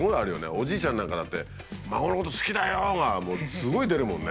おじいちゃんなんかだって「孫のこと好きだよ」がもうすごい出るもんね。